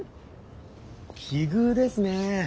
奇遇ですね。